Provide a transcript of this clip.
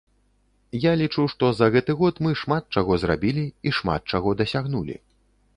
Я лічу, што за гэты год мы шмат чаго зрабілі і шмат чаго дасягнулі.